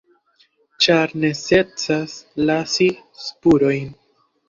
Ĉar necesas lasi spurojn”.